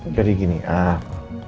jadi gini al